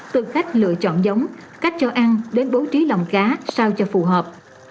từ cách lựa chọn giống cách cho ăn đến bố trí lồng cá sao cho phù hợp